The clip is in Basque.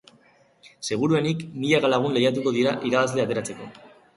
Seguruenik milaka lagun lehiatuko dira irabazle ateratzeko.